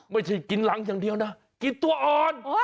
ไม่ใช่กินรังอย่างเดียวนะกินตัวอ่อน